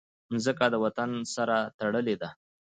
مځکه د وطن سره تړلې ده.